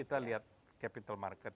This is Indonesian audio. kita lihat capital market